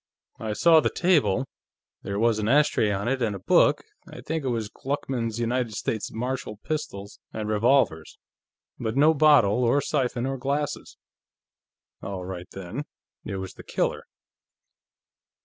"I saw the table. There was an ashtray on it, and a book I think it was Gluckman's United States Martial Pistols and Revolvers but no bottle, or siphon, or glasses." "All right, then; it was the killer."